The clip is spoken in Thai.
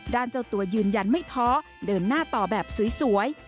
เจ้าตัวยืนยันไม่ท้อเดินหน้าต่อแบบสวย